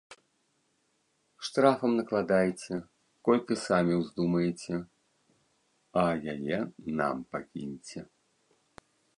Штрафам накладайце, колькі самі ўздумаеце, а яе нам пакіньце.